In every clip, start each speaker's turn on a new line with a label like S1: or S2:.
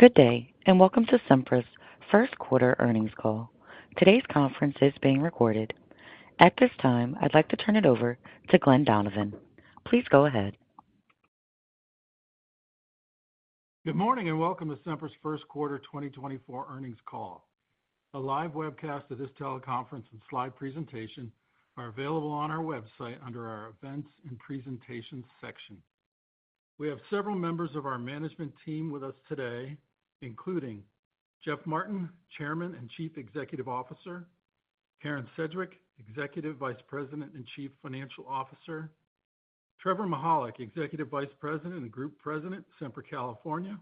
S1: Good day, and welcome to Sempra's First Quarter Earnings Call. Today's conference is being recorded. At this time, I'd like to turn it over to Glen Donovan. Please go ahead.
S2: Good morning, and welcome to Sempra's First Quarter 2024 Earnings Call. A live webcast of this teleconference and slide presentation are available on our website under our Events and Presentations section. We have several members of our management team with us today, including Jeff Martin, Chairman and Chief Executive Officer, Karen Sedgwick, Executive Vice President and Chief Financial Officer, Trevor Mihalik, Executive Vice President and Group President, Sempra California,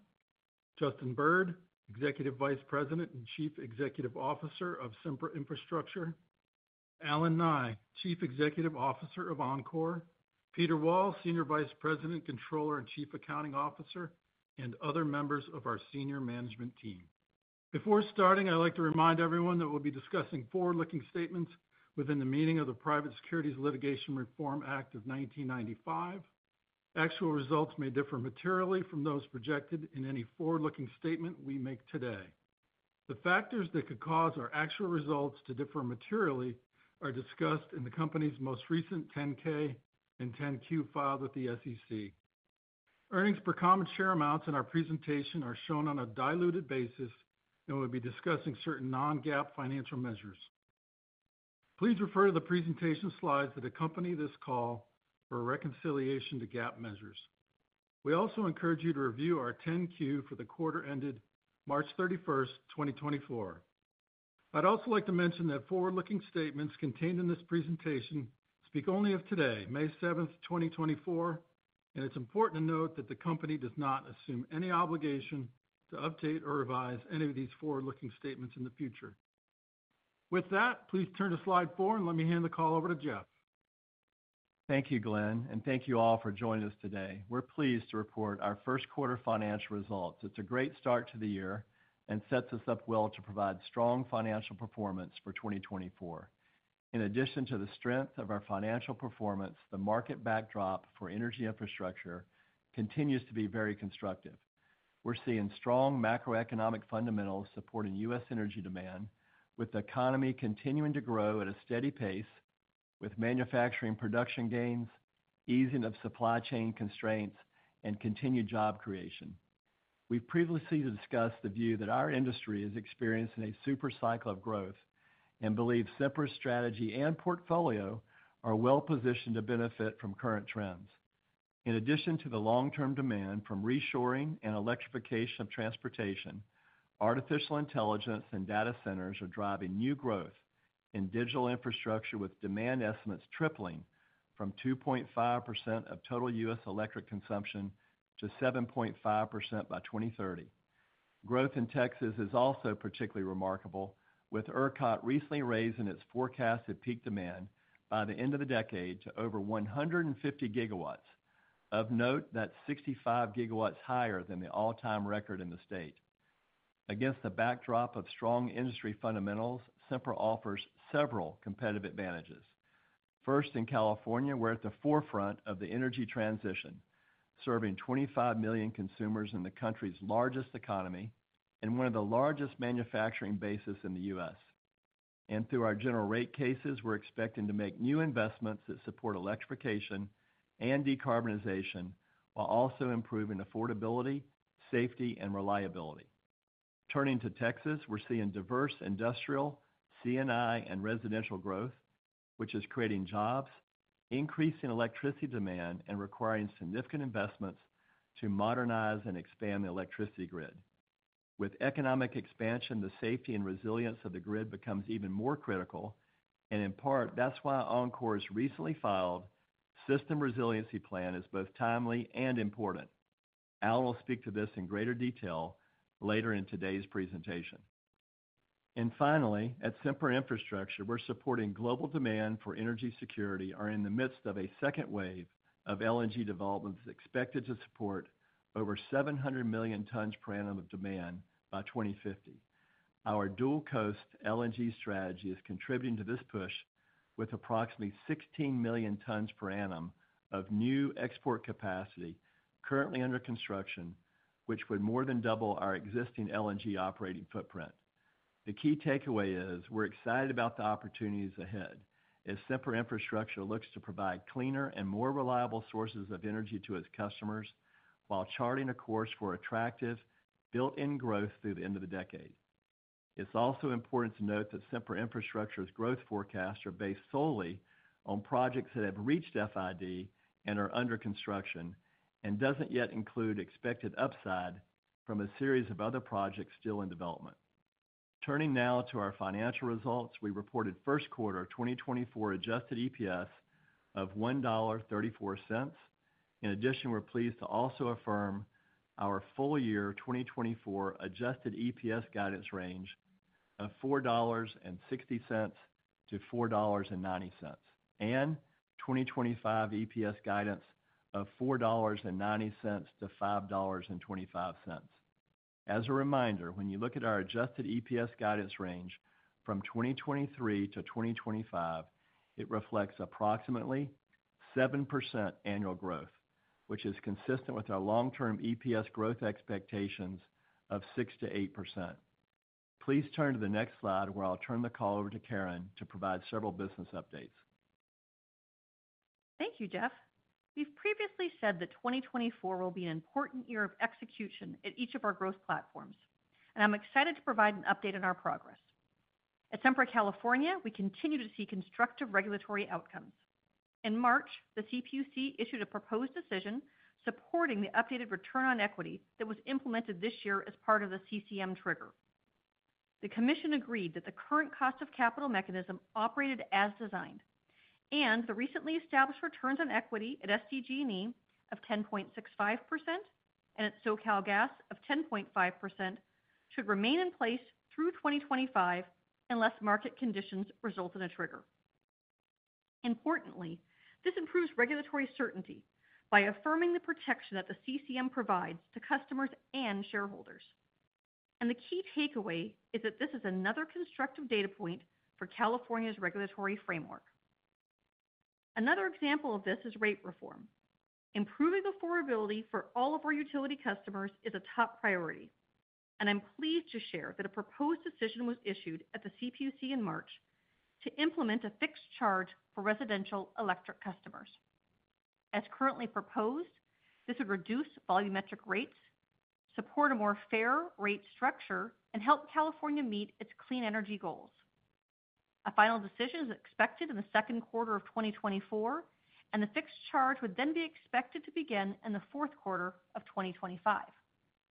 S2: Justin Bird, Executive Vice President and Chief Executive Officer of Sempra Infrastructure, Allen Nye, Chief Executive Officer of Oncor, Peter Wall, Senior Vice President, Controller, and Chief Accounting Officer, and other members of our senior management team. Before starting, I'd like to remind everyone that we'll be discussing forward-looking statements within the meaning of the Private Securities Litigation Reform Act of 1995. Actual results may differ materially from those projected in any forward-looking statement we make today. The factors that could cause our actual results to differ materially are discussed in the company's most recent 10-K and 10-Q filed with the SEC. Earnings per common share amounts in our presentation are shown on a diluted basis, and we'll be discussing certain non-GAAP financial measures. Please refer to the presentation slides that accompany this call for a reconciliation to GAAP measures. We also encourage you to review our 10-Q for the quarter ended March 31st, 2024. I'd also like to mention that forward-looking statements contained in this presentation speak only of today, May 7th, 2024, and it's important to note that the company does not assume any obligation to update or revise any of these forward-looking statements in the future. With that, please turn to slide four and let me hand the call over to Jeff.
S3: Thank you, Glen, and thank you all for joining us today. We're pleased to report our first quarter financial results. It's a great start to the year and sets us up well to provide strong financial performance for 2024. In addition to the strength of our financial performance, the market backdrop for energy infrastructure continues to be very constructive. We're seeing strong macroeconomic fundamentals supporting U.S. energy demand, with the economy continuing to grow at a steady pace, with manufacturing production gains, easing of supply chain constraints, and continued job creation. We've previously discussed the view that our industry is experiencing a super cycle of growth and believe Sempra's strategy and portfolio are well positioned to benefit from current trends. In addition to the long-term demand from reshoring and electrification of transportation, artificial intelligence and data centers are driving new growth in digital infrastructure, with demand estimates tripling from 2.5% of total U.S. electric consumption to 7.5% by 2030. Growth in Texas is also particularly remarkable, with ERCOT recently raising its forecasted peak demand by the end of the decade to over 150 GW. Of note, that's 65 GW higher than the all-time record in the state. Against the backdrop of strong industry fundamentals, Sempra offers several competitive advantages. First, in California, we're at the forefront of the energy transition, serving 25 million consumers in the country's largest economy and one of the largest manufacturing bases in the U.S. Through our general rate cases, we're expecting to make new investments that support electrification and decarbonization, while also improving affordability, safety, and reliability. Turning to Texas, we're seeing diverse industrial, C&I, and residential growth, which is creating jobs, increasing electricity demand, and requiring significant investments to modernize and expand the electricity grid. With economic expansion, the safety and resilience of the grid becomes even more critical, and in part, that's why Oncor's recently filed system resiliency plan is both timely and important. Al will speak to this in greater detail later in today's presentation. And finally, at Sempra Infrastructure, we're supporting global demand for energy security, are in the midst of a second wave of LNG developments expected to support over 700 million tons per annum of demand by 2050. Our dual-coast LNG strategy is contributing to this push with approximately 16 million tons per annum of new export capacity currently under construction, which would more than double our existing LNG operating footprint. The key takeaway is, we're excited about the opportunities ahead as Sempra Infrastructure looks to provide cleaner and more reliable sources of energy to its customers while charting a course for attractive, built-in growth through the end of the decade. It's also important to note that Sempra Infrastructure's growth forecasts are based solely on projects that have reached FID and are under construction, and doesn't yet include expected upside from a series of other projects still in development. Turning now to our financial results. We reported first quarter 2024 adjusted EPS of $1.34. In addition, we're pleased to also affirm our full year 2024 adjusted EPS guidance range of $4.60-$4.90, and 2025 EPS guidance of $4.90-$5.25. As a reminder, when you look at our adjusted EPS guidance range from 2023-2025, it reflects approximately 7% annual growth, which is consistent with our long-term EPS growth expectations of 6%-8%. Please turn to the next slide, where I'll turn the call over to Karen to provide several business updates.
S4: Thank you, Jeff. We've previously said that 2024 will be an important year of execution at each of our growth platforms, and I'm excited to provide an update on our progress. At Sempra California, we continue to see constructive regulatory outcomes. In March, the CPUC issued a proposed decision supporting the updated return on equity that was implemented this year as part of the CCM trigger. The commission agreed that the current cost of capital mechanism operated as designed, and the recently established returns on equity at SDG&E of 10.65% and at SoCalGas of 10.5%, should remain in place through 2025, unless market conditions result in a trigger. Importantly, this improves regulatory certainty by affirming the protection that the CCM provides to customers and shareholders. The key takeaway is that this is another constructive data point for California's regulatory framework. Another example of this is rate reform. Improving affordability for all of our utility customers is a top priority, and I'm pleased to share that a proposed decision was issued at the CPUC in March to implement a fixed charge for residential electric customers. As currently proposed, this would reduce volumetric rates, support a more fair rate structure, and help California meet its clean energy goals. A final decision is expected in the second quarter of 2024, and the fixed charge would then be expected to begin in the fourth quarter of 2025.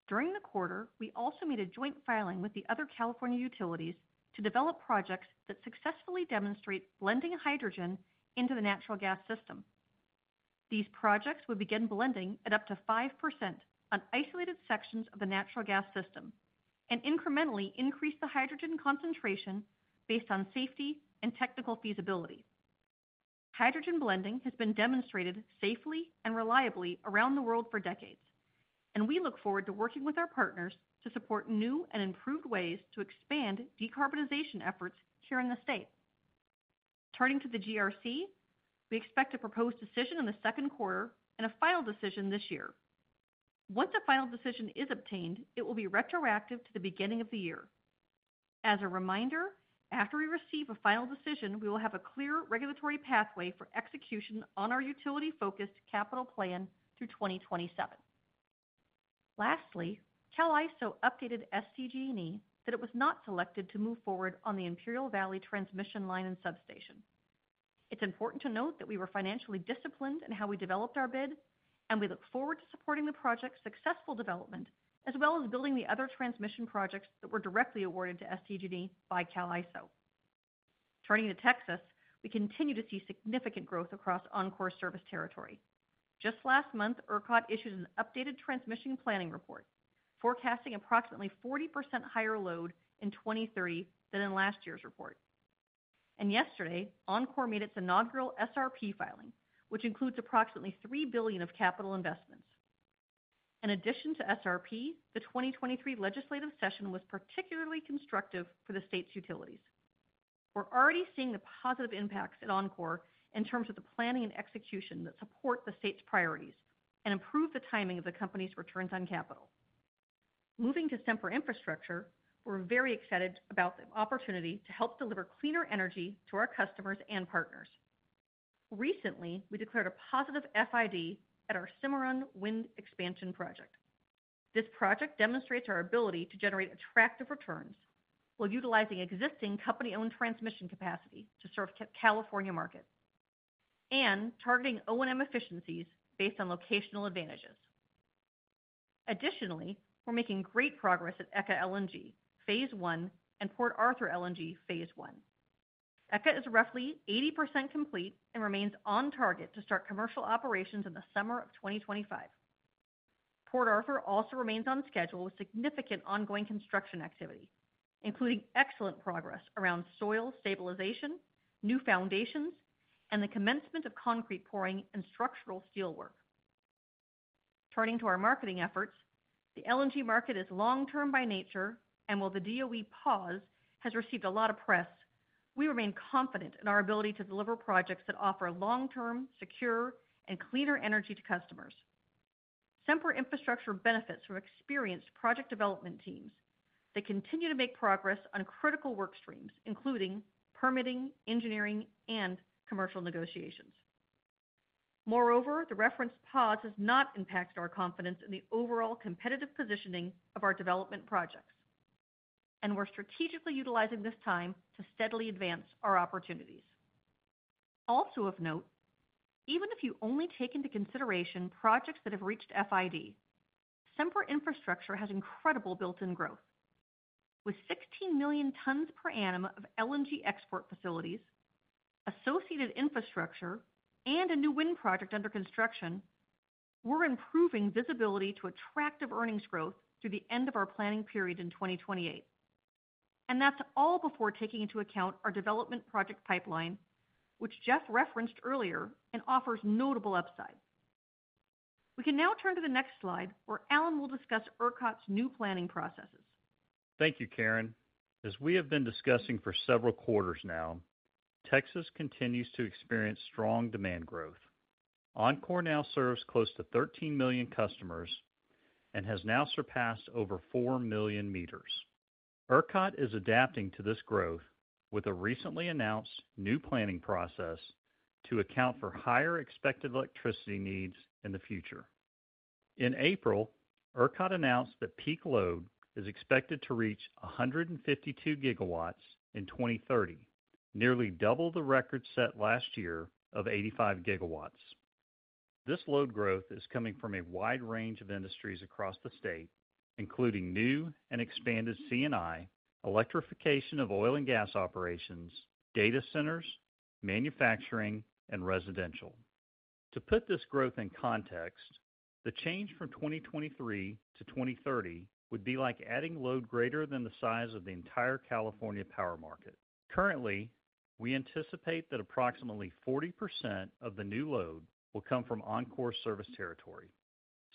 S4: During the quarter, we also made a joint filing with the other California utilities to develop projects that successfully demonstrate blending hydrogen into the natural gas system. These projects would begin blending at up to 5% on isolated sections of the natural gas system and incrementally increase the hydrogen concentration based on safety and technical feasibility. Hydrogen blending has been demonstrated safely and reliably around the world for decades, and we look forward to working with our partners to support new and improved ways to expand decarbonization efforts here in the state. Turning to the GRC, we expect a proposed decision in the second quarter and a final decision this year. Once a final decision is obtained, it will be retroactive to the beginning of the year. As a reminder, after we receive a final decision, we will have a clear regulatory pathway for execution on our utility-focused capital plan through 2027. Lastly, Cal ISO updated SDG&E that it was not selected to move forward on the Imperial Valley transmission line and substation. It's important to note that we were financially disciplined in how we developed our bid, and we look forward to supporting the project's successful development, as well as building the other transmission projects that were directly awarded to SDG&E by Cal ISO. Turning to Texas, we continue to see significant growth across Oncor service territory. Just last month, ERCOT issued an updated transmission planning report forecasting approximately 40% higher load in 2023 than in last year's report. Yesterday, Oncor made its inaugural SRP filing, which includes approximately $3 billion of capital investments. In addition to SRP, the 2023 legislative session was particularly constructive for the state's utilities. We're already seeing the positive impacts at Oncor in terms of the planning and execution that support the state's priorities and improve the timing of the company's returns on capital. Moving to Sempra Infrastructure, we're very excited about the opportunity to help deliver cleaner energy to our customers and partners. Recently, we declared a positive FID at our Cimarron Wind expansion project. This project demonstrates our ability to generate attractive returns while utilizing existing company-owned transmission capacity to serve California markets and targeting O&M efficiencies based on locational advantages. Additionally, we're making great progress at ECA LNG phase I and Port Arthur LNG phase I. ECA is roughly 80% complete and remains on target to start commercial operations in the summer of 2025. Port Arthur also remains on schedule with significant ongoing construction activity, including excellent progress around soil stabilization, new foundations, and the commencement of concrete pouring and structural steel work. Turning to our marketing efforts, the LNG market is long-term by nature, and while the DOE pause has received a lot of press, we remain confident in our ability to deliver projects that offer long-term, secure, and cleaner energy to customers. Sempra Infrastructure benefits from experienced project development teams that continue to make progress on critical work streams, including permitting, engineering, and commercial negotiations. Moreover, the referenced pause has not impacted our confidence in the overall competitive positioning of our development projects, and we're strategically utilizing this time to steadily advance our opportunities. Also of note, even if you only take into consideration projects that have reached FID, Sempra Infrastructure has incredible built-in growth. With 16 million tons per annum of LNG export facilities, associated infrastructure, and a new wind project under construction, we're improving visibility to attractive earnings growth through the end of our planning period in 2028. That's all before taking into account our development project pipeline, which Jeff referenced earlier and offers notable upside. We can now turn to the next slide, where Allen will discuss ERCOT's new planning processes.
S5: Thank you, Karen. As we have been discussing for several quarters now, Texas continues to experience strong demand growth. Oncor now serves close to 13 million customers and has now surpassed over 4 million meters. ERCOT is adapting to this growth with a recently announced new planning process to account for higher expected electricity needs in the future. In April, ERCOT announced that peak load is expected to reach 152 GW in 2030, nearly double the record set last year of 85 GW. This load growth is coming from a wide range of industries across the state, including new and expanded C&I, electrification of oil and gas operations, data centers, manufacturing, and residential. To put this growth in context, the change from 2023 to 2030 would be like adding load greater than the size of the entire California power market. Currently, we anticipate that approximately 40% of the new load will come from Oncor service territory.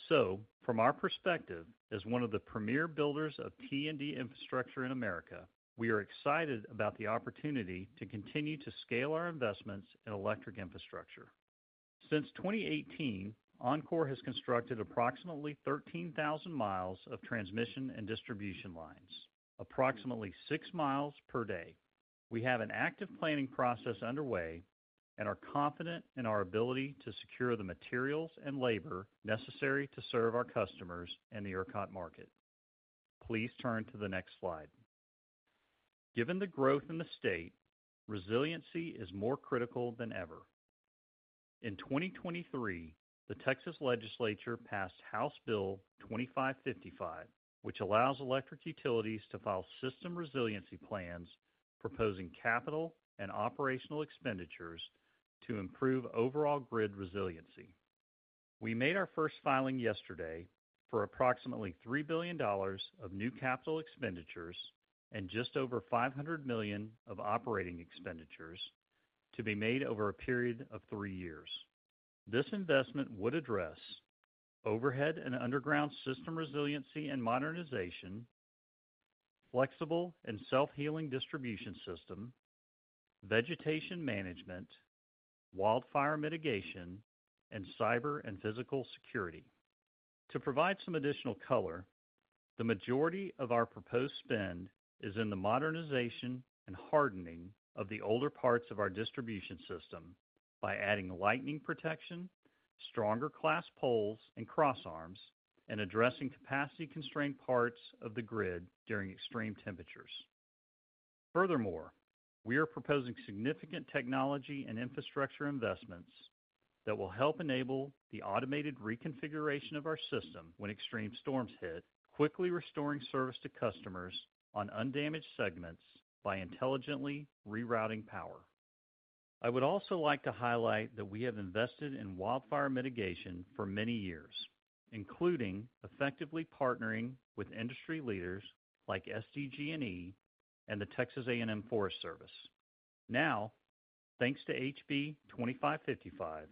S5: So from our perspective, as one of the premier builders of T&D infrastructure in America, we are excited about the opportunity to continue to scale our investments in electric infrastructure. Since 2018, Oncor has constructed approximately 13,000 mi of transmission and distribution lines, approximately 6 mi per day. We have an active planning process underway and are confident in our ability to secure the materials and labor necessary to serve our customers in the ERCOT market. Please turn to the next slide. Given the growth in the state, resiliency is more critical than ever. In 2023, the Texas Legislature passed House Bill 2555, which allows electric utilities to file system resiliency plans proposing capital and operational expenditures to improve overall grid resiliency. We made our first filing yesterday for approximately $3 billion of new capital expenditures and just over $500 million of operating expenditures to be made over a period of three years. This investment would address overhead and underground system resiliency and modernization, flexible and self-healing distribution system, vegetation management, wildfire mitigation, and cyber and physical security. To provide some additional color, the majority of our proposed spend is in the modernization and hardening of the older parts of our distribution system by adding lightning protection, stronger class poles and cross arms, and addressing capacity-constrained parts of the grid during extreme temperatures. Furthermore, we are proposing significant technology and infrastructure investments that will help enable the automated reconfiguration of our system when extreme storms hit, quickly restoring service to customers on undamaged segments by intelligently rerouting power. I would also like to highlight that we have invested in wildfire mitigation for many years, including effectively partnering with industry leaders like SDG&E and the Texas A&M Forest Service. Now, thanks to HB 2555,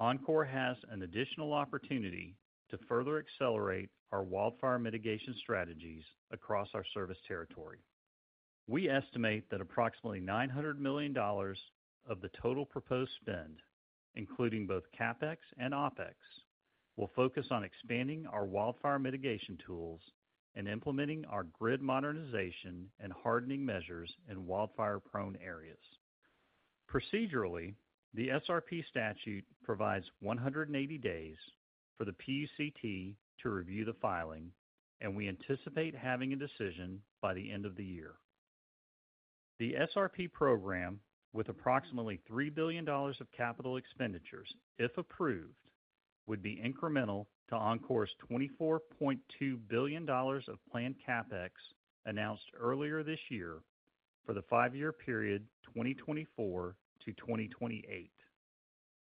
S5: Oncor has an additional opportunity to further accelerate our wildfire mitigation strategies across our service territory. We estimate that approximately $900 million of the total proposed spend, including both CapEx and OpEx, will focus on expanding our wildfire mitigation tools and implementing our grid modernization and hardening measures in wildfire-prone areas. Procedurally, the SRP statute provides 180 days for the PUCT to review the filing, and we anticipate having a decision by the end of the year. The SRP program, with approximately $3 billion of capital expenditures, if approved, would be incremental to Oncor's $24.2 billion of planned CapEx announced earlier this year for the five-year period, 2024-2028.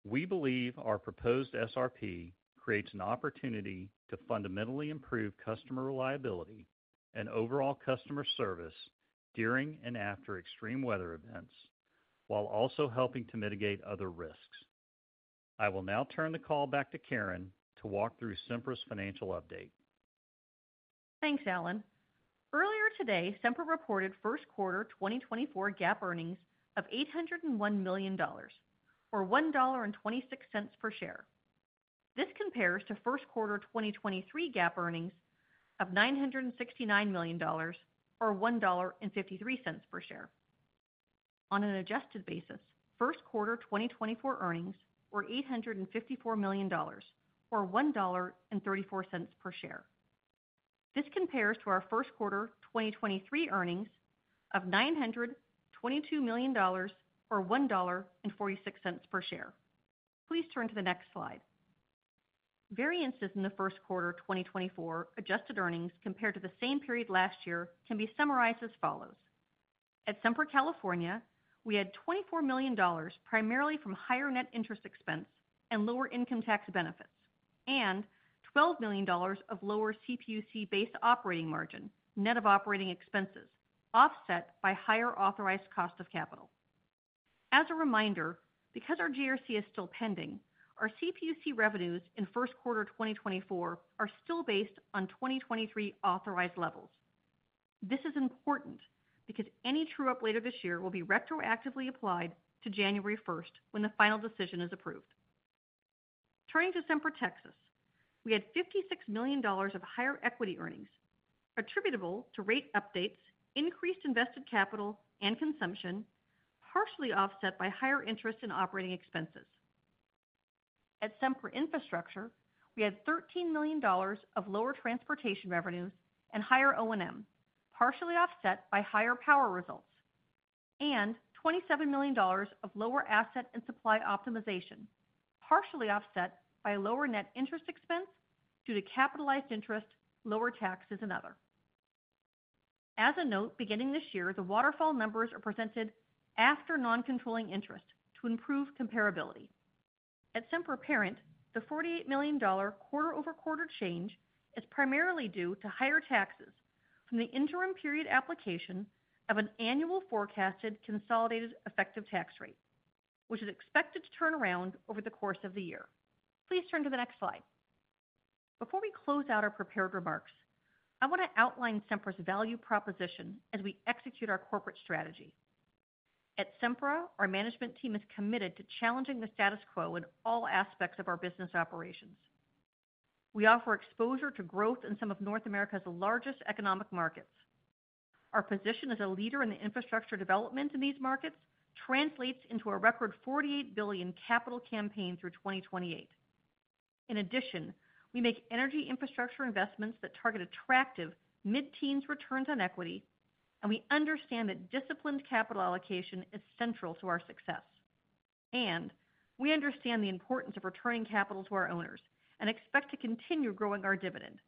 S5: We believe our proposed SRP creates an opportunity to fundamentally improve customer reliability and overall customer service during and after extreme weather events, while also helping to mitigate other risks. I will now turn the call back to Karen to walk through Sempra's financial update.
S4: Thanks, Allen. Earlier today, Sempra reported first quarter 2024 GAAP earnings of $801 million, or $1.26 per share. This compares to first quarter 2023 GAAP earnings of $969 million, or $1.53 per share. On an adjusted basis, first quarter 2024 earnings were $854 million, or $1.34 per share. This compares to our first quarter 2023 earnings of $922 million, or $1.46 per share. Please turn to the next slide. Variances in the first quarter 2024 adjusted earnings compared to the same period last year can be summarized as follows: At Sempra California, we had $24 million, primarily from higher net interest expense and lower income tax benefits, and $12 million of lower CPUC-based operating margin net of operating expenses, offset by higher authorized cost of capital. As a reminder, because our GRC is still pending, our CPUC revenues in first quarter 2024 are still based on 2023 authorized levels. This is important because any true-up later this year will be retroactively applied to January 1st when the final decision is approved. Turning to Sempra Texas, we had $56 million of higher equity earnings attributable to rate updates, increased invested capital and consumption, partially offset by higher interest in operating expenses. At Sempra Infrastructure, we had $13 million of lower transportation revenues and higher O&M, partially offset by higher power results, and $27 million of lower asset and supply optimization, partially offset by lower net interest expense due to capitalized interest, lower taxes and other. As a note, beginning this year, the waterfall numbers are presented after non-controlling interest to improve comparability. At Sempra Parent, the $48 million quarter-over-quarter change is primarily due to higher taxes from the interim period application of an annual forecasted consolidated effective tax rate, which is expected to turn around over the course of the year. Please turn to the next slide. Before we close out our prepared remarks, I want to outline Sempra's value proposition as we execute our corporate strategy. At Sempra, our management team is committed to challenging the status quo in all aspects of our business operations. We offer exposure to growth in some of North America's largest economic markets. Our position as a leader in the infrastructure development in these markets translates into a record $48 billion capital campaign through 2028. In addition, we make energy infrastructure investments that target attractive mid-teens returns on equity, and we understand that disciplined capital allocation is central to our success. We understand the importance of returning capital to our owners and expect to continue growing our dividend.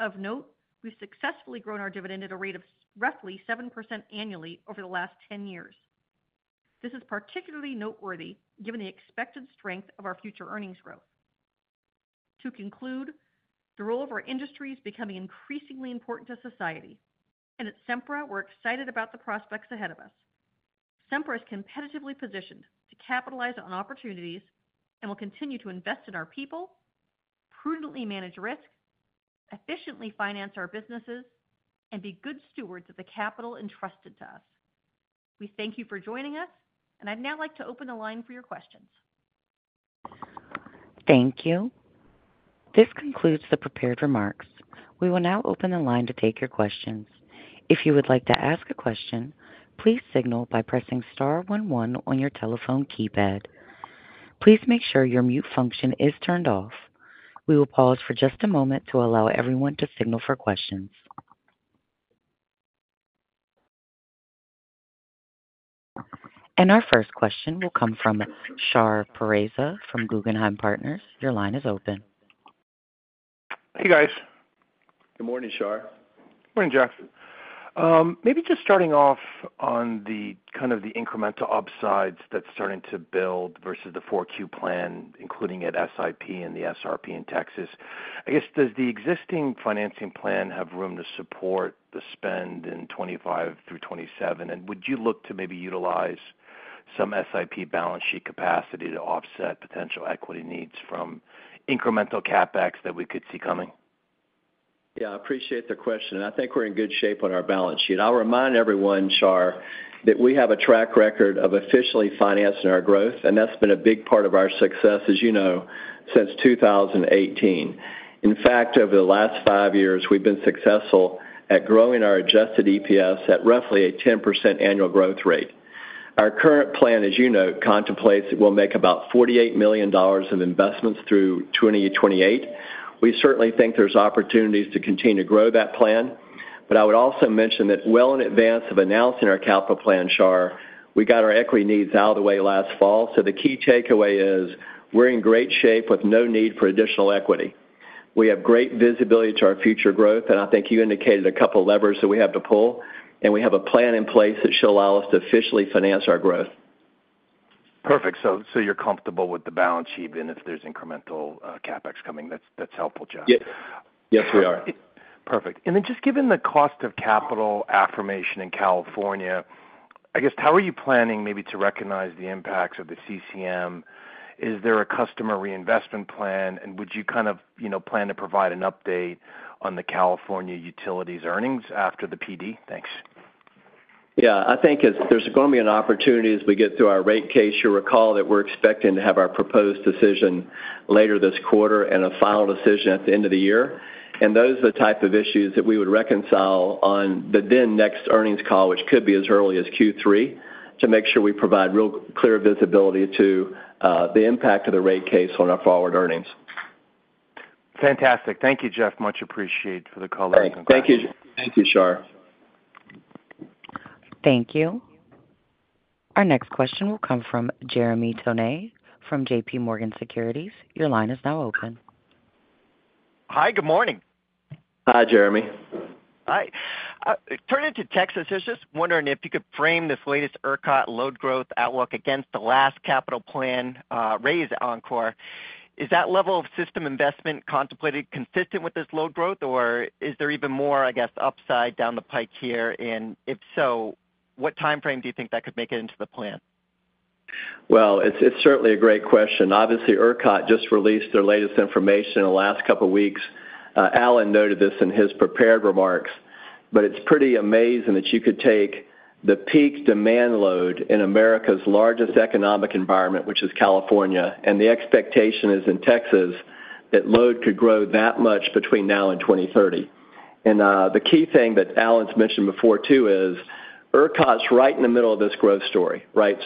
S4: Of note, we've successfully grown our dividend at a rate of roughly 7% annually over the last 10 years. This is particularly noteworthy, given the expected strength of our future earnings growth. To conclude, the role of our industry is becoming increasingly important to society, and at Sempra, we're excited about the prospects ahead of us. Sempra is competitively positioned to capitalize on opportunities and will continue to invest in our people, prudently manage risk, efficiently finance our businesses, and be good stewards of the capital entrusted to us. We thank you for joining us, and I'd now like to open the line for your questions.
S1: Thank you. This concludes the prepared remarks. We will now open the line to take your questions. If you would like to ask a question, please signal by pressing star one one on your telephone keypad. Please make sure your mute function is turned off. We will pause for just a moment to allow everyone to signal for questions. Our first question will come from Shahriar Pourreza from Guggenheim Partners. Your line is open.
S6: Hey, guys.
S3: Good morning, Shar.
S6: Morning, Jeff. Maybe just starting off on the kind of the incremental upsides that's starting to build versus the 4Q plan, including at SIP and the SRP in Texas. I guess, does the existing financing plan have room to support the spend in 2025-2027? Would you look to maybe utilize some SIP balance sheet capacity to offset potential equity needs from incremental CapEx that we could see coming?
S3: Yeah, I appreciate the question, and I think we're in good shape on our balance sheet. I'll remind everyone, Shar, that we have a track record of efficiently financing our growth, and that's been a big part of our success, as you know, since 2018. In fact, over the last five years, we've been successful at growing our adjusted EPS at roughly a 10% annual growth rate. Our current plan, as you know, contemplates we'll make about $48 million in investments through 2028. We certainly think there's opportunities to continue to grow that plan, but I would also mention that well in advance of announcing our capital plan, Shar, we got our equity needs out of the way last fall. So the key takeaway is, we're in great shape with no need for additional equity. We have great visibility to our future growth, and I think you indicated a couple of levers that we have to pull, and we have a plan in place that should allow us to officially finance our growth.
S6: Perfect. So, so you're comfortable with the balance sheet, even if there's incremental CapEx coming? That's, that's helpful, Jeff.
S3: Yes, yes, we are.
S6: Perfect. Then just given the cost of capital affirmation in California, I guess, how are you planning maybe to recognize the impacts of the CCM? Is there a customer reinvestment plan? And would you kind of, you know, plan to provide an update on the California utilities earnings after the PD? Thanks.
S3: Yeah, I think as there's going to be an opportunity as we get through our rate case, you'll recall that we're expecting to have our proposed decision later this quarter and a final decision at the end of the year. Those are the type of issues that we would reconcile on the then next earnings call, which could be as early as Q3, to make sure we provide real clear visibility to the impact of the rate case on our forward earnings.
S6: Fantastic. Thank you, Jeff. Much appreciated for the call.
S3: Thank you. Thank you, Shar.
S1: Thank you. Our next question will come from Jeremy Tonet from J.P. Morgan Securities. Your line is now open.
S7: Hi, good morning.
S3: Hi, Jeremy.
S7: Hi. Turning to Texas, I was just wondering if you could frame this latest ERCOT load growth outlook against the last capital plan raise, Oncor. Is that level of system investment contemplated consistent with this load growth, or is there even more, I guess, upside down the pike here? And if so, what time frame do you think that could make it into the plan?
S3: Well, it's, it's certainly a great question. Obviously, ERCOT just released their latest information in the last couple of weeks. Allen noted this in his prepared remarks, but it's pretty amazing that you could take the peak demand load in America's largest economic environment, which is California, and the expectation is in Texas, that load could grow that much between now and 2030. The key thing that Allen's mentioned before, too, is ERCOT's right in the middle of this growth story, right?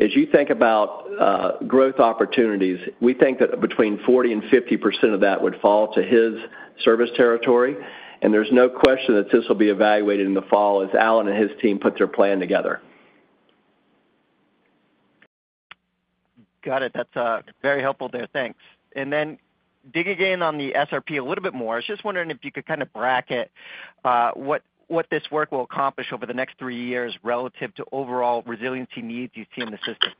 S3: As you think about growth opportunities, we think that between 40%-50% of that would fall to his service territory, and there's no question that this will be evaluated in the fall as Allen and his team put their plan together.
S7: Got it. That's very helpful there. Thanks. And then digging in on the SRP a little bit more, I was just wondering if you could kind of bracket what this work will accomplish over the next three years relative to overall resiliency needs you see in the system.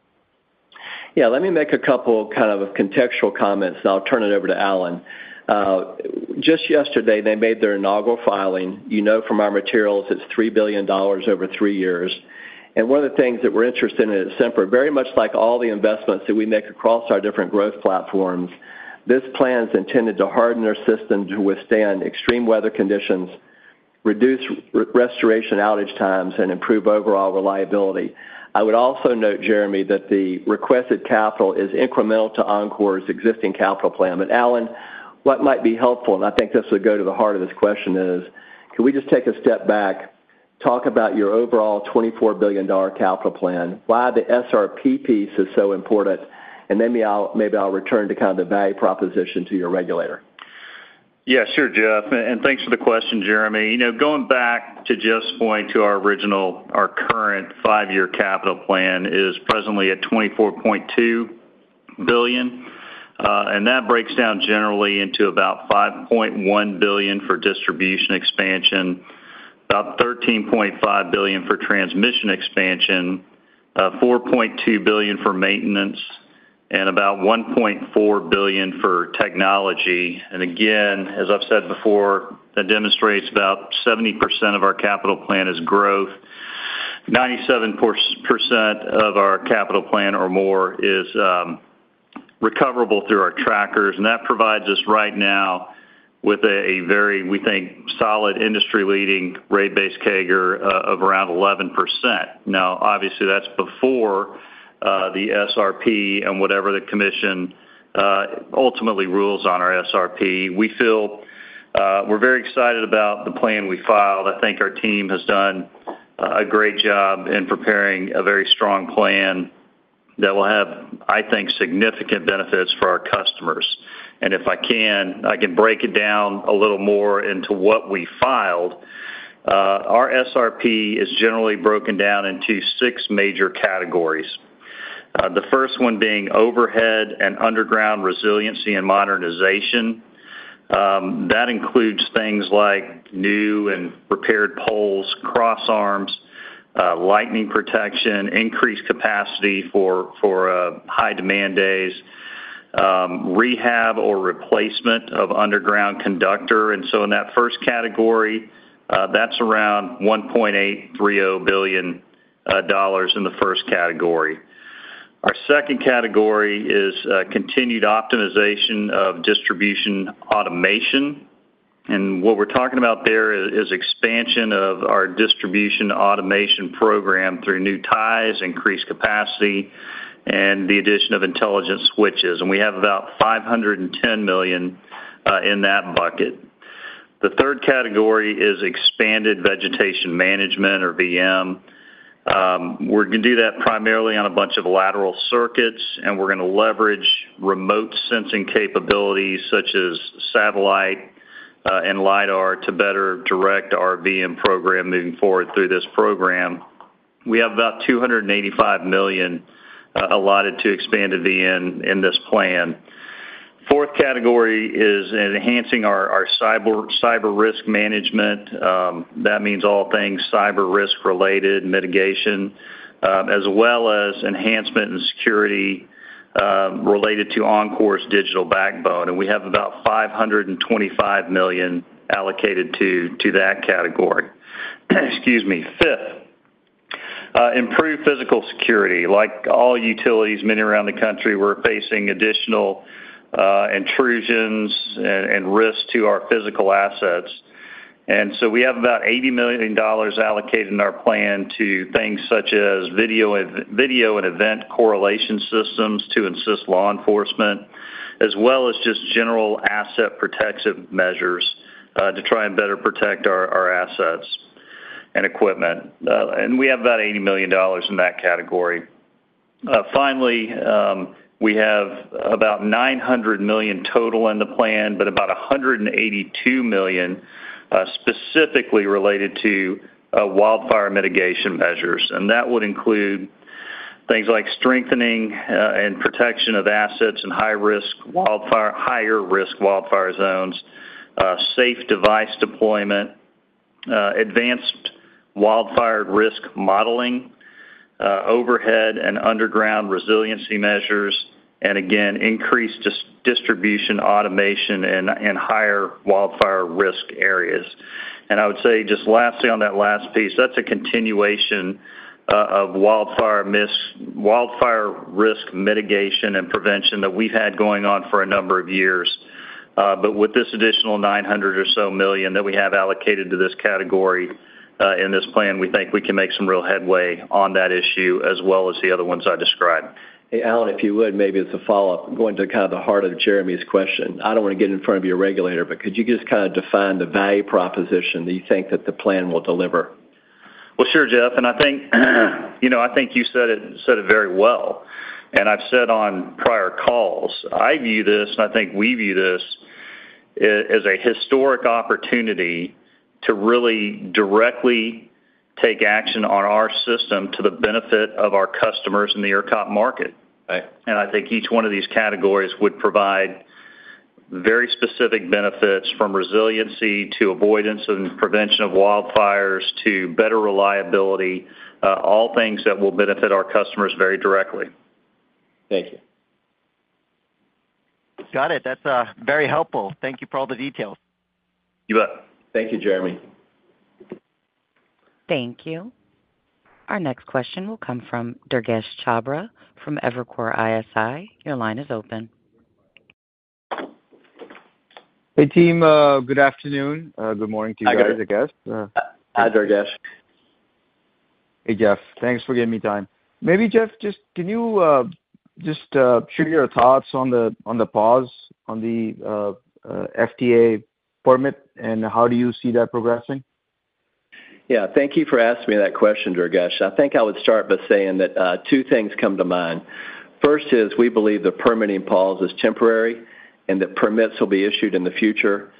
S3: Yeah, let me make a couple kind of contextual comments, and I'll turn it over to Allen. Just yesterday, they made their inaugural filing. You know from our materials, it's $3 billion over three years. And one of the things that we're interested in at Sempra, very much like all the investments that we make across our different growth platforms, this plan is intended to harden our system to withstand extreme weather conditions, reduce restoration outage times, and improve overall reliability. I would also note, Jeremy, that the requested capital is incremental to Oncor's existing capital plan. But Allen, what might be helpful, and I think this would go to the heart of this question is, can we just take a step back, talk about your overall $24 billion capital plan, why the SRP piece is so important, and then maybe I'll return to kind of the value proposition to your regulator.
S5: Yeah, sure, Jeff, and thanks for the question, Jeremy. You know, going back to Jeff's point to our original, our current five-year capital plan is presently at $24.2 billion, and that breaks down generally into about $5.1 billion for distribution expansion, about $13.5 billion for transmission expansion, $4.2 billion for maintenance, and about $1.4 billion for technology. And again, as I've said before, that demonstrates about 70% of our capital plan is growth. 97% of our capital plan or more is recoverable through our trackers, and that provides us right now with a very, we think, solid industry-leading rate base CAGR of around 11%. Now, obviously, that's before the SRP and whatever the commission ultimately rules on our SRP. We feel we're very excited about the plan we filed. I think our team has done a great job in preparing a very strong plan that will have, I think, significant benefits for our customers. If I can, I can break it down a little more into what we filed. Our SRP is generally broken down into six major categories. The first one being overhead and underground resiliency and modernization. That includes things like new and repaired poles, crossarms, lightning protection, increased capacity for high-demand days, rehab or replacement of underground conductor. And so in that first category, that's around $1.83 billion in the first category. Our second category is continued optimization of distribution automation, and what we're talking about there is expansion of our distribution automation program through new ties, increased capacity, and the addition of intelligent switches, and we have about $510 million in that bucket. The third category is expanded Vegetation Management, or VM. We're gonna do that primarily on a bunch of lateral circuits, and we're gonna leverage remote sensing capabilities, such as satellite and LiDAR, to better direct our VM program moving forward through this program. We have about $285 million allotted to expanded VM in this plan. Fourth category is enhancing our cyber risk management. That means all things cyber risk-related, mitigation, as well as enhancement and security, related to Oncor's digital backbone, and we have about $525 million allocated to that category. Excuse me. Fifth, improved physical security. Like all utilities, many around the country, we're facing additional, intrusions and risks to our physical assets. And so we have about $80 million allocated in our plan to things such as video and event correlation systems to assist law enforcement, as well as just general asset protective measures, to try and better protect our assets and equipment. And we have about $80 million in that category. Finally, we have about $900 million total in the plan, but about $182 million, specifically related to wildfire mitigation measures. That would include things like strengthening and protection of assets in high-risk wildfire, higher-risk wildfire zones, safe device deployment, advanced wildfire risk modeling, overhead and underground resiliency measures, and again, increased distribution automation in higher wildfire risk areas. I would say, just lastly, on that last piece, that's a continuation of wildfire risk mitigation and prevention that we've had going on for a number of years. But with this additional $900 million or so that we have allocated to this category, in this plan, we think we can make some real headway on that issue, as well as the other ones I described.
S3: Hey, Allen, if you would, maybe as a follow-up, going to kind of the heart of Jeremy's question. I don't want to get in front of your regulator, but could you just kind of define the value proposition that you think that the plan will deliver?
S5: Well, sure, Jeff, and I think, you know, I think you said it, said it very well. I've said on prior calls, I view this, and I think we view this, as a historic opportunity to really directly take action on our system to the benefit of our customers in the ERCOT market.
S3: Right.
S5: I think each one of these categories would provide very specific benefits, from resiliency to avoidance and prevention of wildfires to better reliability, all things that will benefit our customers very directly.
S3: Thank you.
S7: Got it. That's very helpful. Thank you for all the details.
S3: You bet.
S5: Thank you, Jeremy.
S1: Thank you. Our next question will come from Durgesh Chopra from Evercore ISI. Your line is open.
S8: Hey, team, good afternoon, good morning to you guys, I guess.
S3: Hi, Durgesh.
S8: Hey, Jeff. Thanks for giving me time. Maybe, Jeff, can you just share your thoughts on the pause on the FTA permit, and how do you see that progressing?
S3: Yeah, thank you for asking me that question, Durgesh. I think I would start by saying that, two things come to mind. First is, we believe the permitting pause is temporary, and that permits will be issued in the future.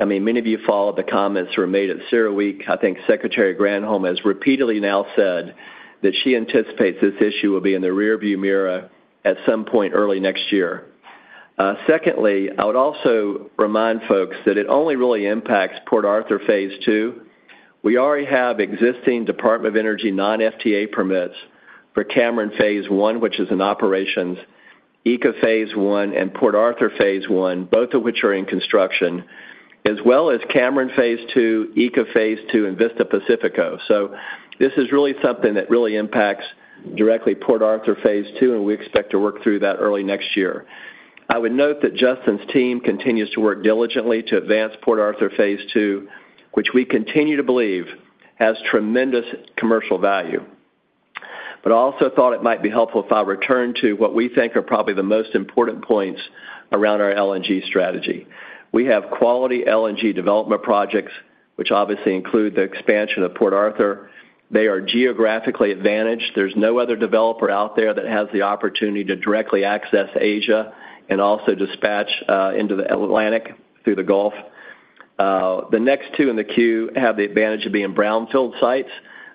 S3: I mean, many of you followed the comments that were made at CERAWeek. I think Secretary Granholm has repeatedly now said that she anticipates this issue will be in the rearview mirror at some point early next year. Secondly, I would also remind folks that it only really impacts Port Arthur phase II. We already have existing Department of Energy non-FTA permits for Cameron phase I, which is in operations, ECA phase I, and Port Arthur phase I, both of which are in construction, as well as Cameron phase II, ECA phase II, and Vista Pacifico. So this is really something that really impacts directly Port Arthur phase II, and we expect to work through that early next year. I would note that Justin's team continues to work diligently to advance Port Arthur phase II, which we continue to believe has tremendous commercial value. But I also thought it might be helpful if I return to what we think are probably the most important points around our LNG strategy. We have quality LNG development projects, which obviously include the expansion of Port Arthur. They are geographically advantaged. There's no other developer out there that has the opportunity to directly access Asia and also dispatch into the Atlantic through the Gulf. The next two in the queue have the advantage of being brownfield sites.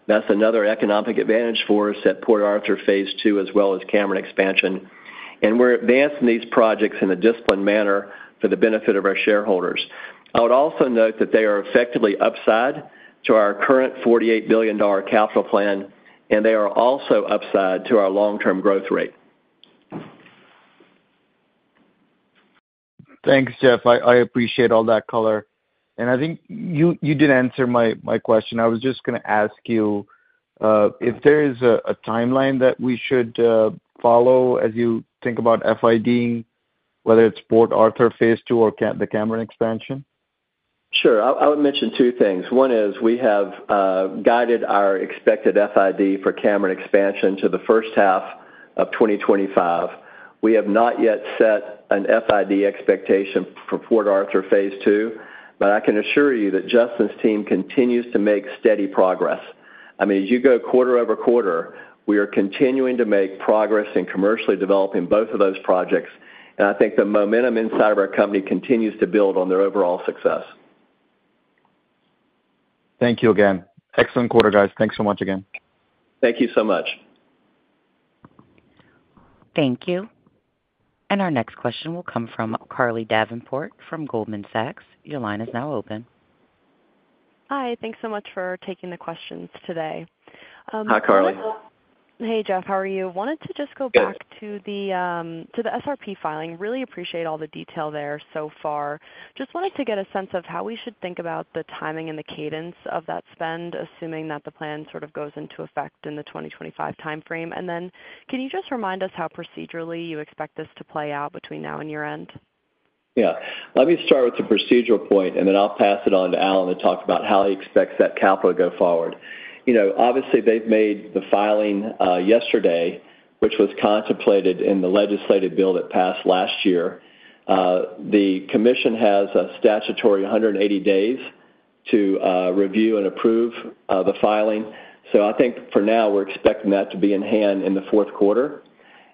S3: That's another economic advantage for us at Port phase II, as well as Cameron expansion. We're advancing these projects in a disciplined manner for the benefit of our shareholders. I would also note that they are effectively upside to our current $48 billion capital plan, and they are also upside to our long-term growth rate.
S8: Thanks, Jeff. I appreciate all that color. And I think you did answer my question. I was just gonna ask you if there is a timeline that we should follow as you think about FID, whether it's Port Arthur phase II or the Cameron expansion?
S3: Sure. I would mention two things. One is we have guided our expected FID for Cameron expansion to the first half of 2025. We have not yet set an FID expectation for Port Arthur phase II, but I can assure you that Justin's team continues to make steady progress. I mean, as you go quarter-over-quarter, we are continuing to make progress in commercially developing both of those projects, and I think the momentum inside of our company continues to build on their overall success.
S8: Thank you again. Excellent quarter, guys. Thanks so much again.
S3: Thank you so much.
S1: Thank you. Our next question will come from Carly Davenport from Goldman Sachs. Your line is now open.
S9: Hi. Thanks so much for taking the questions today.
S3: Hi, Carly.
S9: Hey, Jeff. How are you? Wanted to just go back-
S3: Good.
S9: - to the SRP filing. Really appreciate all the detail there so far. Just wanted to get a sense of how we should think about the timing and the cadence of that spend, assuming that the plan sort of goes into effect in the 2025 timeframe. And then can you just remind us how procedurally you expect this to play out between now and your end?
S3: Yeah. Let me start with the procedural point, and then I'll pass it on to Allen to talk about how he expects that capital to go forward. You know, obviously, they've made the filing yesterday, which was contemplated in the legislative bill that passed last year. The commission has a statutory 180 days to review and approve the filing. So I think for now, we're expecting that to be in hand in the fourth quarter.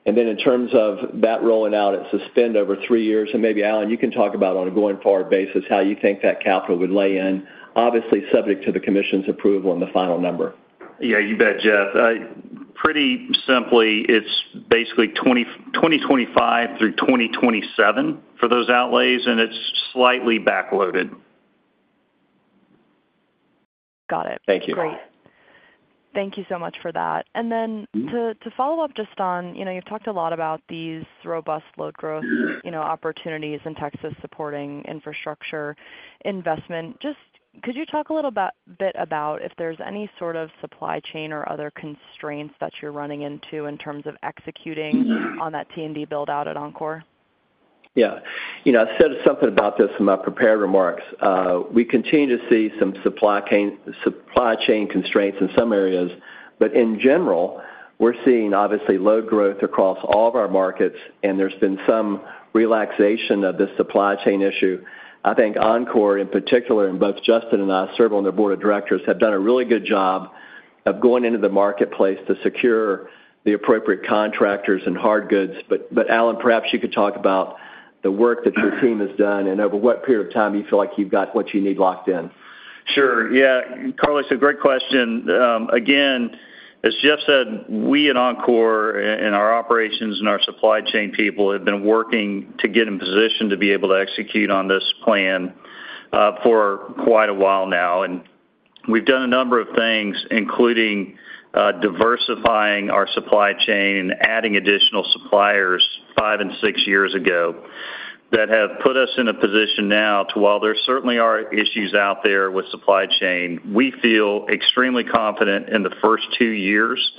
S3: And then in terms of that rolling out, it's suspend over three years, and maybe, Allen, you can talk about on a going-forward basis, how you think that capital would lay in, obviously subject to the commission's approval on the final number.
S5: Yeah, you bet, Jeff. Pretty simply, it's basically 2025 through 2027 for those outlays, and it's slightly backloaded.
S3: Got it. Thank you.
S9: Great. Thank you so much for that. And then-
S3: Mm-hmm.
S9: To follow up just on, you know, you've talked a lot about these robust load growth, you know, opportunities in Texas supporting infrastructure investment. Just could you talk a little bit about if there's any sort of supply chain or other constraints that you're running into in terms of executing on that T&D build-out at Oncor?
S3: Yeah. You know, I said something about this in my prepared remarks. We continue to see some supply chain constraints in some areas, but in general, we're seeing obviously load growth across all of our markets, and there's been some relaxation of this supply chain issue. I think Oncor, in particular, and both Justin and I serve on their Board of Directors, have done a really good job of going into the marketplace to secure the appropriate contractors and hard goods. But, Allen, perhaps you could talk about the work that your team has done, and over what period of time you feel like you've got what you need locked in.
S5: Sure. Yeah, Carly, it's a great question. Again, as Jeff said, we at Oncor, and our operations and our supply chain people, have been working to get in position to be able to execute on this plan, for quite a while now. We've done a number of things, including, diversifying our supply chain, adding additional suppliers five and six years ago, that have put us in a position now to, while there certainly are issues out there with supply chain, we feel extremely confident in the first two years.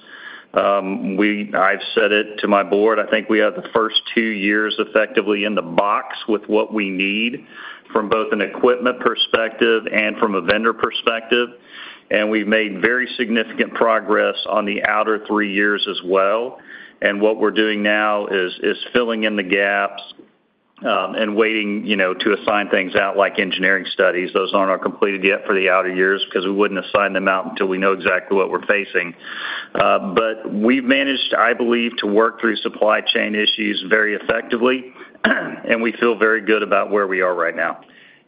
S5: I've said it to my board, I think we have the first two years effectively in the box with what we need from both an equipment perspective and from a vendor perspective, and we've made very significant progress on the outer three years as well. What we're doing now is filling in the gaps, and waiting, you know, to assign things out, like engineering studies. Those aren't all completed yet for the outer years because we wouldn't assign them out until we know exactly what we're facing. But we've managed, I believe, to work through supply chain issues very effectively, and we feel very good about where we are right now.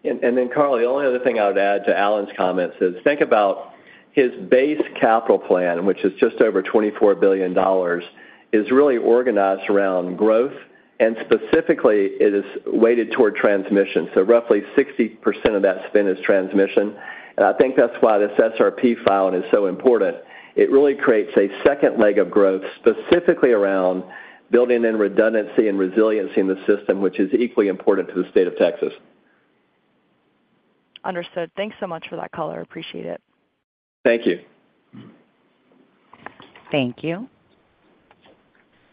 S3: Then, Carly, the only other thing I would add to Allen's comments is, think about his base capital plan, which is just over $24 billion, is really organized around growth, and specifically, it is weighted toward transmission. So roughly 60% of that spend is transmission. And I think that's why this SRP filing is so important. It really creates a second leg of growth, specifically around building in redundancy and resiliency in the system, which is equally important to the state of Texas.
S9: Understood. Thanks so much for that color. Appreciate it.
S3: Thank you.
S1: Thank you.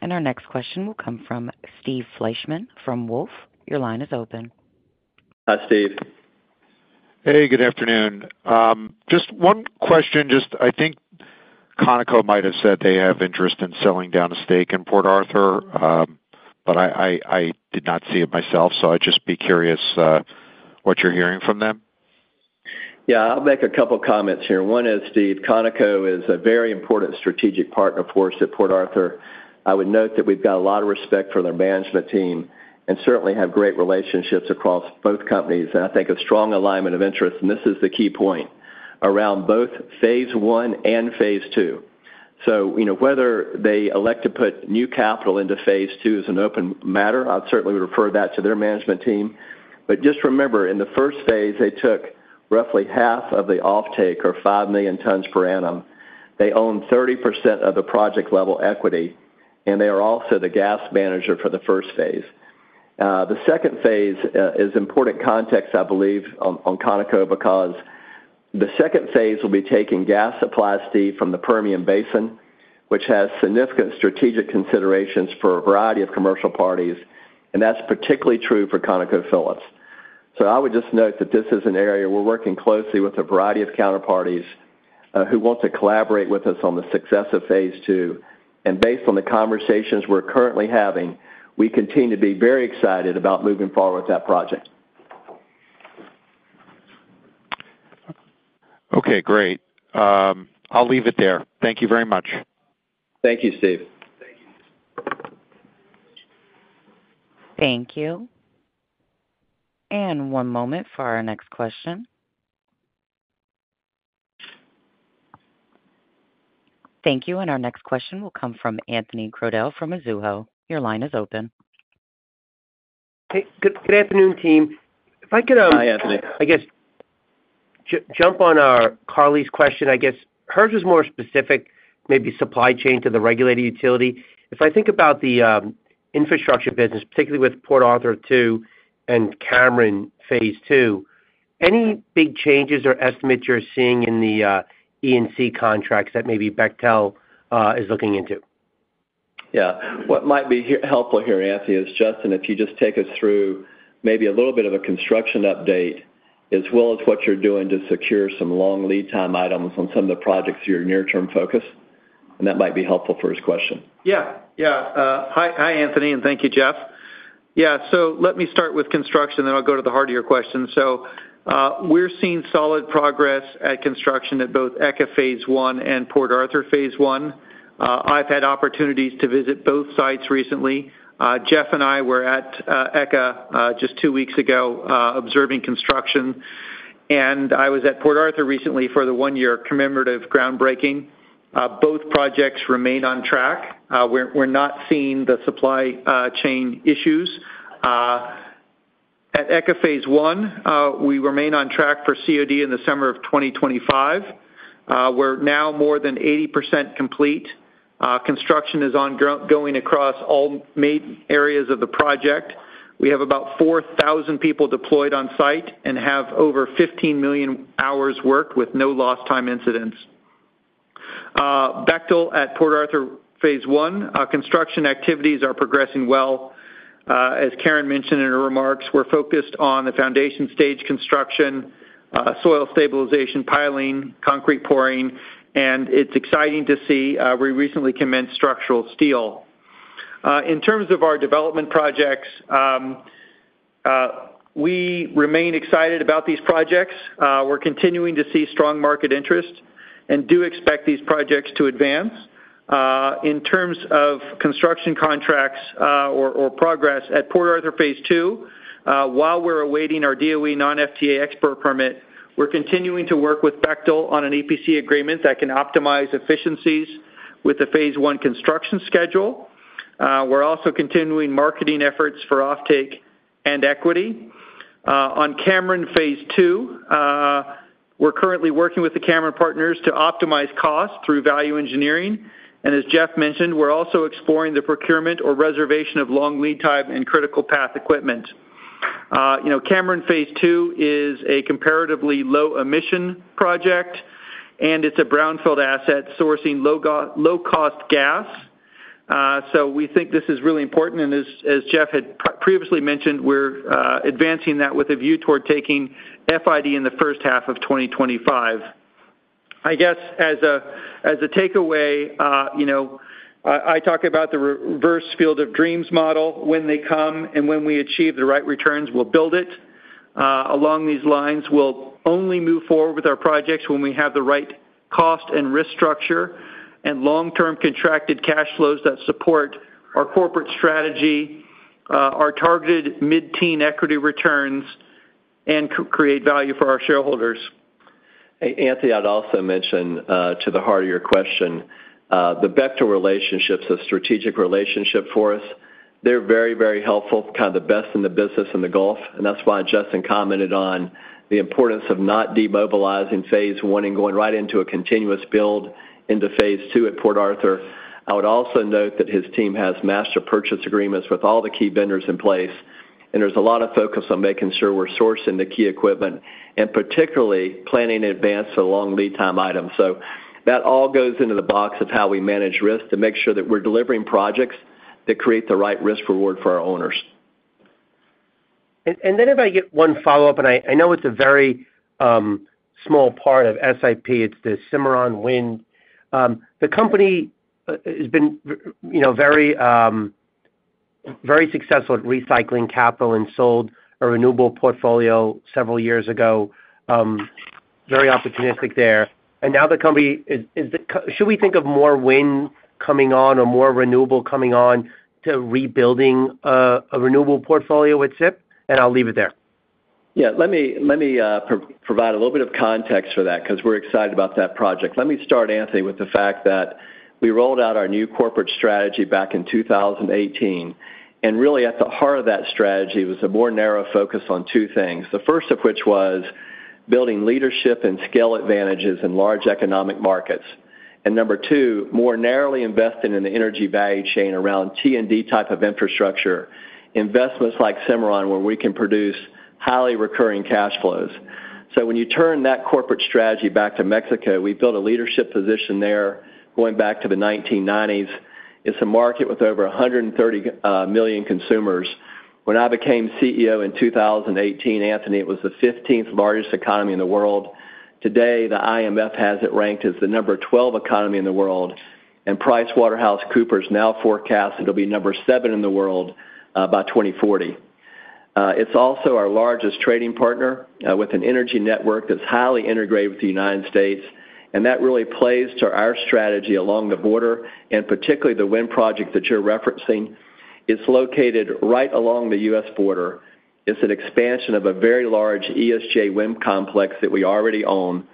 S1: Our next question will come from Steve Fleishman from Wolfe. Your line is open.
S3: Hi, Steve.
S10: Hey, good afternoon. Just one question. I think Conoco might have said they have interest in selling down a stake in Port Arthur, but I did not see it myself, so I'd just be curious what you're hearing from them?
S3: Yeah, I'll make a couple comments here. One is, Steve, Conoco is a very important strategic partner for us at Port Arthur. I would note that we've got a lot of respect for their management team, and certainly have great relationships across both companies, and I think a strong alignment of interests, and this is the key point, around both phase I and phase II. So, you know, whether they elect to put new capital into phase II is an open matter. I'd certainly refer that to their management team. But just remember, in the first phase, they took roughly half of the offtake or 5 million tons per annum. They own 30% of the project level equity, and they are also the gas manager for the first phase. The second phase is important context, I believe, on Conoco, because the second phase will be taking gas supplies, Steve, from the Permian Basin, which has significant strategic considerations for a variety of commercial parties, and that's particularly true for ConocoPhillips. So I would just note that this is an area we're working closely with a variety of counterparties who want to collaborate with us on the success of phase II. And based on the conversations we're currently having, we continue to be very excited about moving forward with that project.
S10: Okay, great. I'll leave it there. Thank you very much.
S3: Thank you, Steve.
S1: Thank you. And one moment for our next question. Thank you, and our next question will come from Anthony Crowdell from Mizuho. Your line is open.
S11: Hey, good, good afternoon, team. If I could,
S3: Hi, Anthony.
S11: I guess, jump on Carly's question, I guess. Hers was more specific, maybe supply chain to the regulated utility. If I think about the infrastructure business, particularly with Port Arthur 2 and Cameron phase II, any big changes or estimates you're seeing in the E&C contracts that maybe Bechtel is looking into?
S3: Yeah. What might be helpful here, Anthony, is Justin, if you just take us through maybe a little bit of a construction update, as well as what you're doing to secure some long lead time items on some of the projects you're near-term focused, and that might be helpful for his question.
S12: Yeah. Yeah. Hi, hi, Anthony, and thank you, Jeff. Yeah, so let me start with construction, then I'll go to the heart of your question. So, we're seeing solid progress at construction at both ECA phase I and Port Arthur phase I. I've had opportunities to visit both sites recently. Jeff and I were at ECA just two weeks ago, observing construction. I was at Port Arthur recently for the one-year commemorative groundbreaking. Both projects remain on track. We're not seeing the supply chain issues. At ECA phase I, we remain on track for COD in the summer of 2025. We're now more than 80% complete. Construction is going across all main areas of the project. We have about 4,000 people deployed on site and have over 15 million hours worked with no lost time incidents. Bechtel at Port Arthur phase I, construction activities are progressing well. As Karen mentioned in her remarks, we're focused on the foundation stage construction, soil stabilization, piling, concrete pouring, and it's exciting to see we recently commenced structural steel. In terms of our development projects, we remain excited about these projects. We're continuing to see strong market interest and do expect these projects to advance. In terms of construction contracts, or progress at Port Arthur phase II, while we're awaiting our DOE non-FTA export permit, we're continuing to work with Bechtel on an EPC agreement that can optimize efficiencies with the phase I construction schedule. We're also continuing marketing efforts for offtake and equity. On Cameron phase II, we're currently working with the Cameron partners to optimize costs through value engineering. And as Jeff mentioned, we're also exploring the procurement or reservation of long lead time and critical path equipment. You know, Cameron phase II is a comparatively low-emission project, and it's a brownfield asset sourcing low-cost gas. So we think this is really important, and as Jeff had previously mentioned, we're advancing that with a view toward taking FID in the first half of 2025. I guess, as a takeaway, you know, I talk about the reverse field of dreams model: when they come and when we achieve the right returns, we'll build it. Along these lines, we'll only move forward with our projects when we have the right cost and risk structure and long-term contracted cash flows that support our corporate strategy, our targeted mid-teen equity returns, and create value for our shareholders.
S3: Hey, Anthony, I'd also mention, to the heart of your question, the Bechtel relationship is a strategic relationship for us. They're very, very helpful, kind of the best in the business in the Gulf, and that's why Justin commented on the importance of not demobilizing phase I and going right into a continuous build into phase II at Port Arthur. I would also note that his team has master purchase agreements with all the key vendors in place, and there's a lot of focus on making sure we're sourcing the key equipment and particularly planning in advance for long lead time items. So that all goes into the box of how we manage risk to make sure that we're delivering projects that create the right risk reward for our owners.
S11: And then if I get one follow-up, and I know it's a very small part of SIP, it's the Cimarron Wind. The company has been very successful at recycling capital and sold a renewable portfolio several years ago, very opportunistic there. And now the company is—should we think of more wind coming on or more renewable coming on to rebuilding a renewable portfolio with SIP? And I'll leave it there.
S3: Yeah, let me, let me, provide a little bit of context for that because we're excited about that project. Let me start, Anthony, with the fact that we rolled out our new corporate strategy back in 2018, and really at the heart of that strategy was a more narrow focus on two things. The first of which was building leadership and scale advantages in large economic markets, and number two, more narrowly investing in the energy value chain around T&D type of infrastructure, investments like Cimarron, where we can produce highly recurring cash flows. So when you turn that corporate strategy back to Mexico, we built a leadership position there going back to the 1990s. It's a market with over 130 million consumers. When I became CEO in 2018, Anthony, it was the 15th largest economy in the world. Today, the IMF has it ranked as the number 12 economy in the world, and PricewaterhouseCoopers now forecasts it'll be number seven in the world, by 2040. It's also our largest trading partner, with an energy network that's highly integrated with the United States, and that really plays to our strategy along the border, and particularly the wind project that you're referencing. It's located right along the U.S. border. It's an expansion of a very large ESJ wind complex that we already own.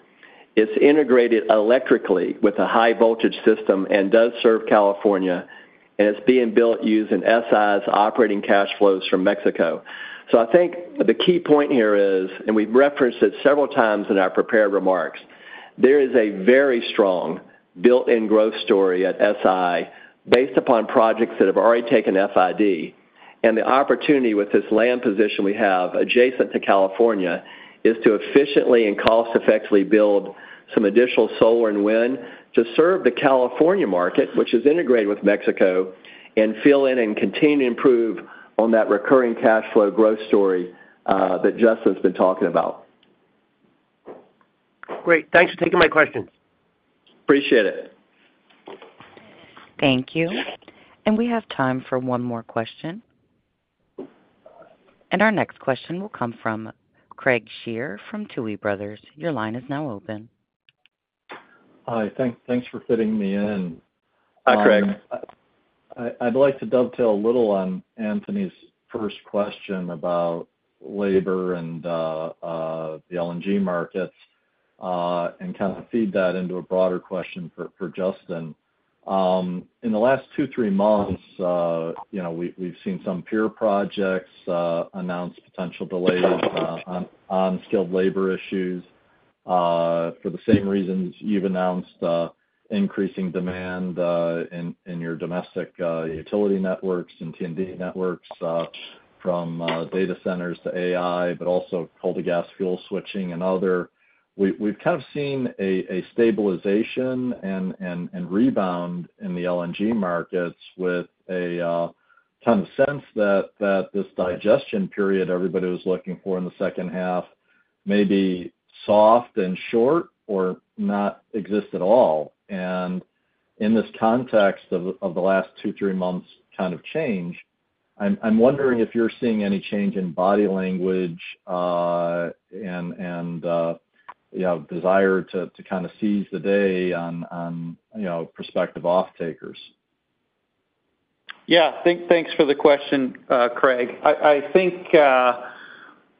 S3: It's integrated electrically with a high-voltage system and does serve California, and it's being built using SI's operating cash flows from Mexico. So I think the key point here is, and we've referenced it several times in our prepared remarks, there is a very strong built-in growth story at SI based upon projects that have already taken FID. The opportunity with this land position we have adjacent to California is to efficiently and cost-effectively build some additional solar and wind to serve the California market, which is integrated with Mexico, and fill in and continue to improve on that recurring cash flow growth story that Justin's been talking about.
S11: Great. Thanks for taking my questions.
S3: Appreciate it.
S1: Thank you. We have time for one more question. Our next question will come from Craig Shere from Tuohy Brothers. Your line is now open.
S13: Hi, thanks for fitting me in.
S3: Hi, Craig.
S13: I'd like to dovetail a little on Anthony's first question about labor and the LNG markets and kind of feed that into a broader question for Justin. In the last 2-3 months, you know, we've seen some peer projects announce potential delays on skilled labor issues for the same reasons you've announced increasing demand in your domestic utility networks and T&D networks from data centers to AI, but also coal to gas fuel switching and other. We've kind of seen a stabilization and rebound in the LNG markets with a kind of sense that this digestion period everybody was looking for in the second half may be soft and short or not exist at all. In this context of the last 2-3 months kind of change, I'm wondering if you're seeing any change in body language, and you know, desire to kind of seize the day on, you know, prospective off-takers.
S12: Yeah. Thanks for the question, Craig. I think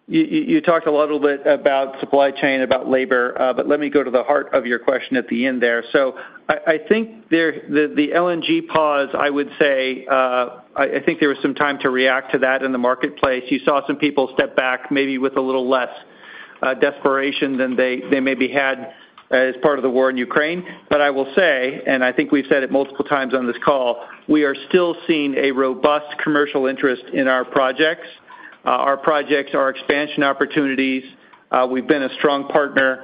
S12: you talked a little bit about supply chain, about labor, but let me go to the heart of your question at the end there. So I think there. The LNG pause, I would say, I think there was some time to react to that in the marketplace. You saw some people step back, maybe with a little less desperation than they maybe had as part of the war in Ukraine. But I will say, and I think we've said it multiple times on this call, we are still seeing a robust commercial interest in our projects. Our projects, our expansion opportunities, we've been a strong partner.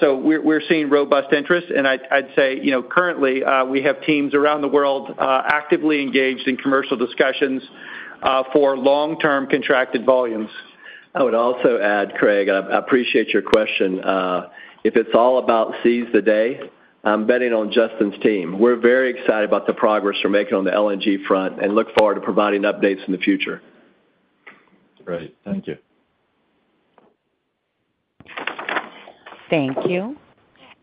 S12: So we're seeing robust interest, and I'd say, you know, currently, we have teams around the world, actively engaged in commercial discussions, for long-term contracted volumes.
S3: I would also add, Craig, I appreciate your question. If it's all about seize the day, I'm betting on Justin's team. We're very excited about the progress we're making on the LNG front and look forward to providing updates in the future.
S13: Great. Thank you.
S1: Thank you.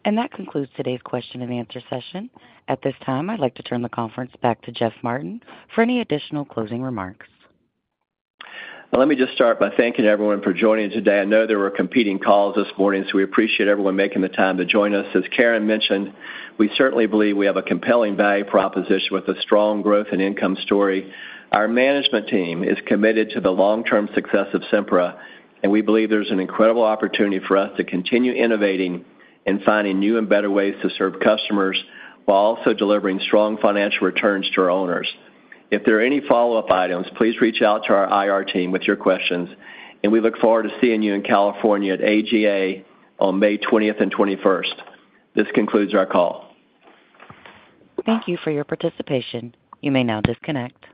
S1: That concludes today's question-and-answer session. At this time, I'd like to turn the conference back to Jeff Martin for any additional closing remarks.
S3: Well, let me just start by thanking everyone for joining today. I know there were competing calls this morning, so we appreciate everyone making the time to join us. As Karen mentioned, we certainly believe we have a compelling value proposition with a strong growth and income story. Our management team is committed to the long-term success of Sempra, and we believe there's an incredible opportunity for us to continue innovating and finding new and better ways to serve customers, while also delivering strong financial returns to our owners. If there are any follow-up items, please reach out to our IR team with your questions, and we look forward to seeing you in California at AGA on May 20th and 21st. This concludes our call.
S1: Thank you for your participation. You may now disconnect.